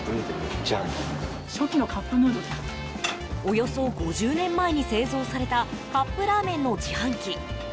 およそ５０年前に製造されたカップラーメンの自販機。